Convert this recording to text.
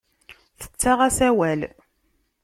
Tettaɣ-as awal.